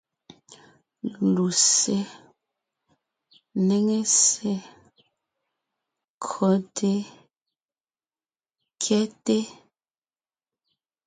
Lussé, néŋe ssé, kÿote, kyɛ́te.